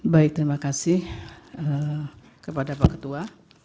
baik terima kasih kepada pak ketua